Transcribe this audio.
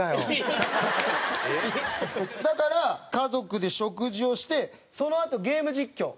だから家族で食事をしてそのあとゲーム実況。